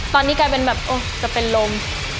ตอนนี้กลายเป็นแบบโอ้จะเป็นลม